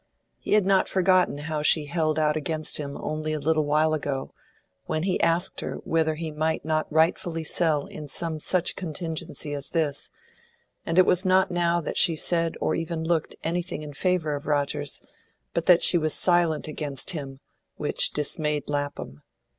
He had not forgotten how she held out against him only a little while ago, when he asked her whether he might not rightfully sell in some such contingency as this; and it was not now that she said or even looked anything in favour of Rogers, but that she was silent against him, which dismayed Lapham.